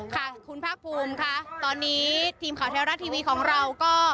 คุณพักภูมิตอนนี้ทีมข่าวเทลารักษณ์ทีวีของเราก็